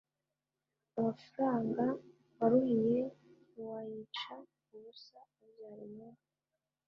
Amafaranga waruhiye ntiwayica ubusa abyara inyungu